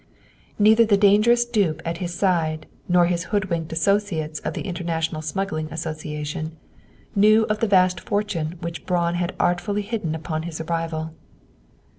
Neither the dangerous dupe at his side nor his hoodwinked associates of the International Smuggling Association knew of the vast fortune which Braun had artfully hidden upon his arrival.